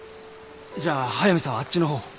じゃあ速見さんはあっちの方を。